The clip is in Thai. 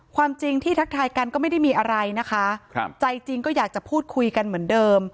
ความจริงที่ทักทายกันก็ไม่ได้มีอะไรนะคะครับใจจริงก็อยากจะพูดคุยกันเหมือนเดิม